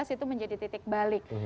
itu menjadi titik balik